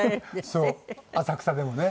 そう浅草でもね。